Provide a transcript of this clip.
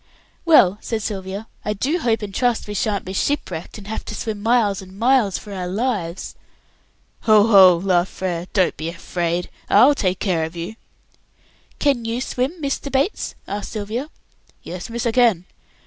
"Well," said Sylvia, "I do hope and trust we sha'n't be shipwrecked, and have to swim miles and miles for our lives." "Ho, ho!" laughed Frere; "don't be afraid. I'll take care of you." "Can you swim, Mr. Bates?" asked Sylvia. "Yes, miss, I can."